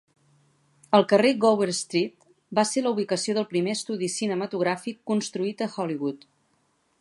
El carrer Gower Street va ser la ubicació del primer estudi cinematogràfic construït a Hollywood.